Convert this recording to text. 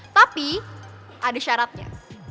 tapi ada syaratnya